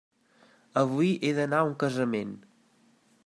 Avui he d'anar a un casament.